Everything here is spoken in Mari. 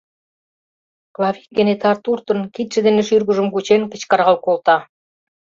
Клавий кенета туртын, кидше дене шӱргыжым кучен, кычкырал колта.